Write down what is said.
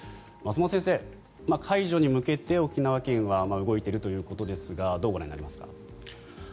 松本先生、解除に向けて沖縄県は動いているということですがどうご覧になりますか？